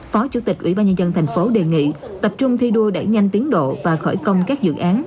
phó chủ tịch ủy ban nhân dân thành phố đề nghị tập trung thi đua để nhanh tiến độ và khởi công các dự án